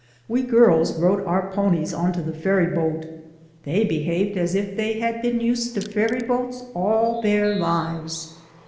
We girls rode our ponies onto the ferryboat. They behaved as if they had been used to ferryboats all their lives.